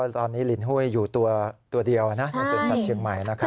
ตอนนี้ลินหุ้ยอยู่ตัวตัวเดียวนะสรุปสรรคเฉียงใหม่นะครับ